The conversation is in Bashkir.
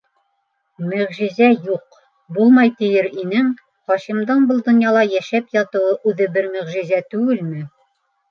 Мөғжизә юҡ, булмай тиер инең - Хашимдың был донъяла йәшәп ятыуы үҙе бер мөғжизә түгелме?